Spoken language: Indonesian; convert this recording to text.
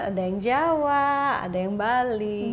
ada yang jawa ada yang bali